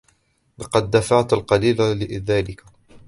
لقد دفعت القليل لذلك.